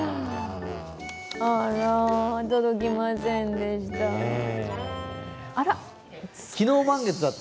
あら、届きませんでした。